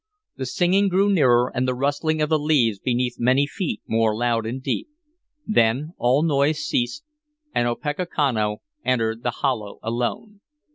The singing grew nearer, and the rustling of the leaves beneath many feet more loud and deep; then all noise ceased, and Opechancanough entered the hollow alone.